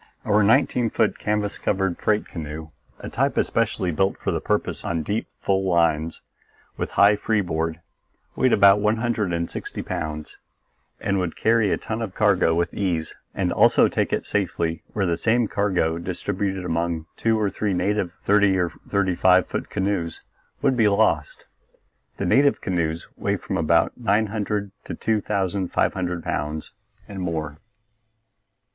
Our nineteen foot canvas covered freight canoe, a type especially built for the purpose on deep, full lines with high free board, weighed about one hundred and sixty pounds and would carry a ton of cargo with ease and also take it safely where the same cargo distributed among two or three native thirty or thirty five foot canoes would be lost. The native canoes weigh from about nine hundred to two thousand five hundred pounds and more.